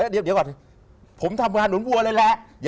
เดี๋ยวก่อนผมทำงานหนุนวัวเลยแหละ